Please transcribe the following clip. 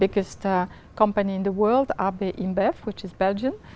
kết hợp các hệ thống